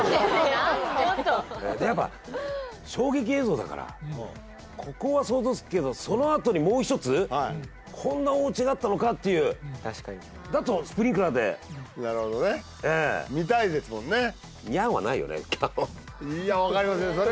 やっぱ衝撃映像だからここは想像するけどそのあとにもう一つこんな大オチがあったのかっていう確かにだとスプリンクラーでなるほどね見たいですもんねいや分かりません